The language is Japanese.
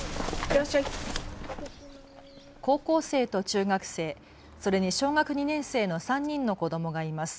高校生と中学生、それに小学２年生の３人の子どもがいます。